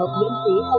nhưng ngay từ